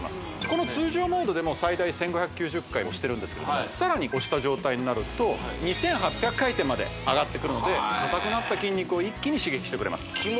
この通常モードでも最大１５９０回押してるんですけれどもさらに押した状態になると２８００回転まであがってくるので硬くなった筋肉を一気に刺激してくれます